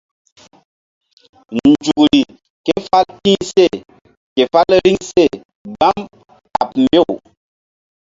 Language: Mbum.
Nzukri ké fál ti̧h seh ke fál riŋ seh gbam kaɓ mbew.